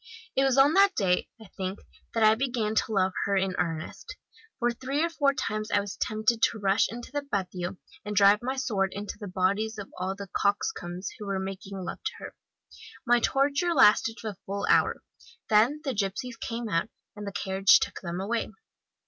It was on that day, I think, that I began to love her in earnest for three or four times I was tempted to rush into the patio, and drive my sword into the bodies of all the coxcombs who were making love to her. My torture lasted a full hour; then the gipsies came out, and the carriage took them away.